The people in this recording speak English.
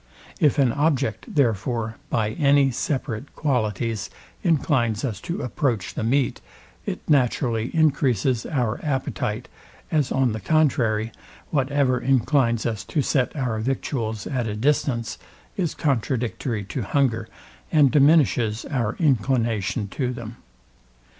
If an object, therefore, by any separate qualities, inclines us to approach the meat, it naturally encreases our appetite; as on the contrary, whatever inclines us to set our victuals at a distance, is contradictory to hunger, and diminishes our inclination to them.